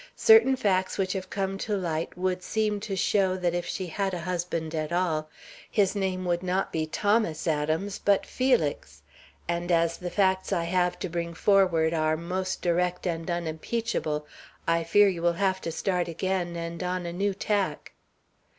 Certain facts which have come to light would seem to show that if she had a husband at all, his name would not be Thomas Adams, but Felix, and as the facts I have to bring forward are most direct and unimpeachable, I fear you will have to start again, and on a new tack."